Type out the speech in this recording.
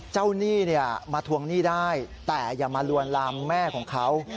หนี้มาทวงหนี้ได้แต่อย่ามาลวนลามแม่ของเขา